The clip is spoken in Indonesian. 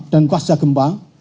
dan pasca gempa